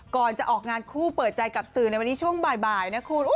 ก่อนจะออกงานคู่เปิดใจกับสื่อในวันนี้ช่วงบ่ายนะคุณ